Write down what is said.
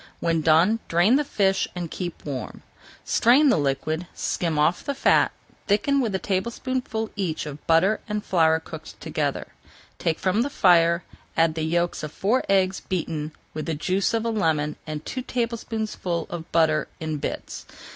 When done, drain the fish, and keep warm. Strain the liquid, skim off the fat, thicken with a tablespoonful each of butter and flour cooked together, take from the fire, add the yolks of four eggs beaten with the juice of a lemon, and two tablespoonfuls of butter in small bits.